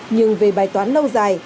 nhưng về bài toán lâu dài